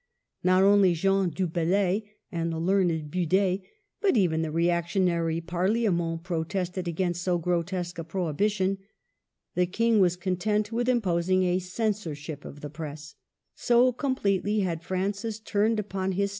Not only Jean du Bellay and the learned Bude, but even the reactionary Parliament pro tested against so grotesque a prohibition. The King was content with imposing a censorship of the Press. So com.pletely had Francis turned upon his 154 MARGARET OF ANGOUL^ME.